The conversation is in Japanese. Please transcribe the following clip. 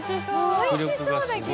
おいしそうだけど。